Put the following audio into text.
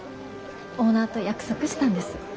オーナーと約束したんです。